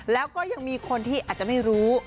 แล้วก็ยังมีคนที่อาจจะไม่รู้